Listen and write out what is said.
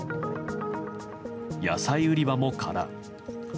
野菜売り場も空。